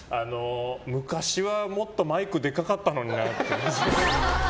昔はもっとマイクでかかったな。